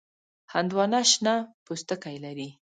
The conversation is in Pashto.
هندوانه شنه پوستکی لري.